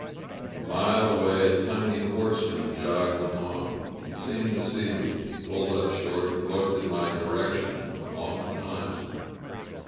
A mile away a tiny horseman jogged along. He seemed to see me ; he pulled up short and looked in my direction a long time.